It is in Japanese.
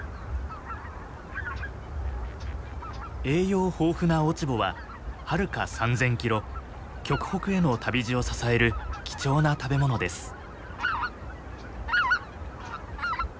栄養豊富な落ち穂ははるか３千キロ極北への旅路を支える貴重な食べ物です。